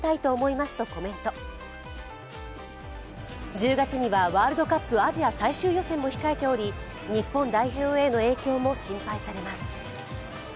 １０月にはワールドカップアジア最終予選も控えており日本代表への影響も心配されます。